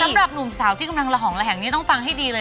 สำหรับหนุ่มสาวที่กำลังระหองระแหงนี่ต้องฟังให้ดีเลย